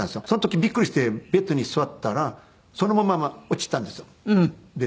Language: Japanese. その時びっくりしてベッドに座ったらそのまま落ちたんですよベッド。